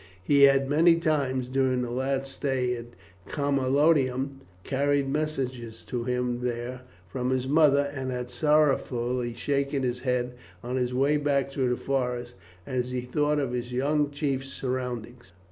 He had many times, during the lad's stay at Camalodunum, carried messages to him there from his mother, and had sorrowfully shaken his head on his way back through the forest as he thought of his young chief's surroundings.